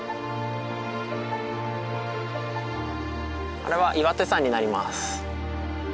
あれは岩手山になります。